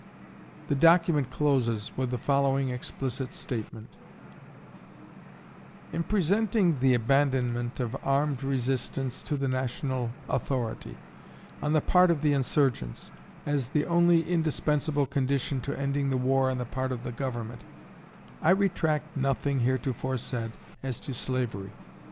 The document closes with the following explicit statement: "In presenting the abandonment of armed resistance to the national authority, on the part of the insurgents, as the only indispensable condition to ending the war on the part of the Government, I retract nothing heretofore said as to slavery.